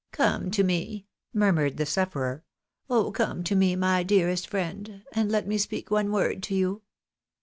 " Come to me !" murmured the sufferer, " oh come to me, my dearest friend, and let me speak one word to you."